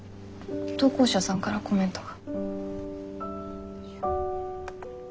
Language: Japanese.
投稿者さんからコメントが。